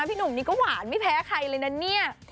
พี่หนุ่มนี่ก็หวานไม่แพ้ใครเลยนะเนี่ย